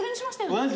マジ？